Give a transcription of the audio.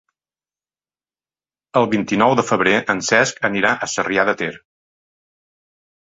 El vint-i-nou de febrer en Cesc anirà a Sarrià de Ter.